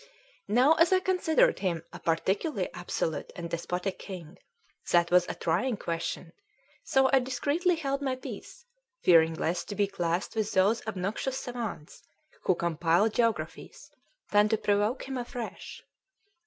Now, as I considered him a particularly absolute and despotic king, that was a trying Question; so I discreetly held my peace, fearing less to be classed with those obnoxious savans who compile geographies than to provoke him afresh.